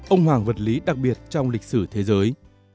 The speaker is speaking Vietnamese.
ông hoàng vật lý đặc biệt trong lịch sử thế giới